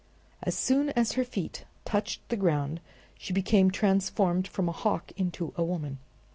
As soon as her feet touched the ground she became transformed from a hawk into a woman.